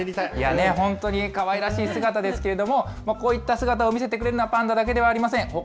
いやぁ、本当にかわいらしい姿ですけど、こういった姿を見せてくれるのは、パンダだけではありません。